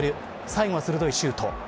最後は鋭いシュート。